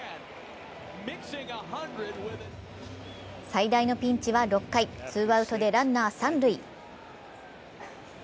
最大のピンチは６回、ツーアウトでランナー三塁。